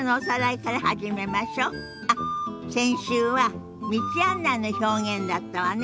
あっ先週は「道案内の表現」だったわね。